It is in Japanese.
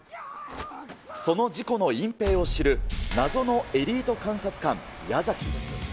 その事故の隠蔽を知る謎のエリート監察官、矢崎。